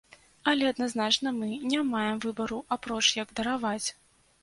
Але, адназначна, мы не маем выбару, апроч як дараваць.